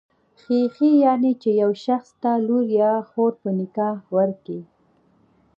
خېښي، يعنی چي يو شخص ته لور يا خور په نکاح ورکي.